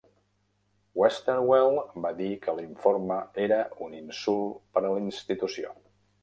Westerwelle va dir que l"informe era un insult per a la institució.